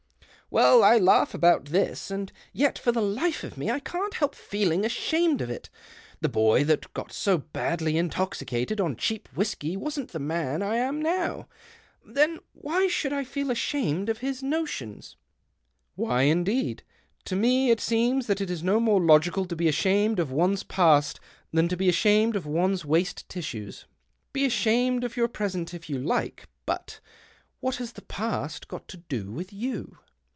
Well, I laugh about this, and yet for the life of me I can't help feeling ashamed 3f it. The boy that got so badly intoxicated 3u cheap whisky wasn't the man I am now. Then why should I feel ashamed of his notions ?"" Why, indeed I To me it seems that it is no more logical to be ashamed of one's past than to be ashamed of one's waste tissues. Be ashamed of your present, if you like, but what has the past got to do with you